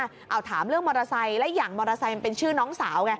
เอาถามเรื่องมอเตอร์ไซค์และอย่างมอเตอร์ไซค์มันเป็นชื่อน้องสาวไง